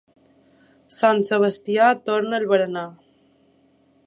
Sant Sebastià torna el berenar.